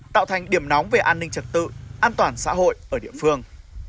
tạo thành điểm nóng về an ninh trật tự an toàn xã hội ở địa phương